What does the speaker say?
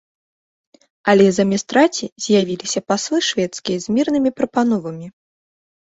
Але замест раці з'явіліся паслы шведскія з мірнымі прапановамі.